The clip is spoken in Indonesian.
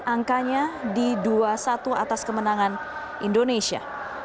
angkanya di dua satu atas kemenangan indonesia